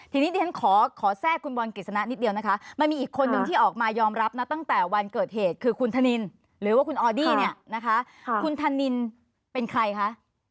ทีนี้เดี๋ยวฉันขอแทรกคุณบอลกฤษณะนิดเดียวนะคะมันมีอีกคนนึงที่ออกมายอมรับนะตั้งแต่วันเกิดเหตุคือคุณธนินหรือว่าคุณออดี้เนี่ยนะคะคุณธนินเป็นใครคะ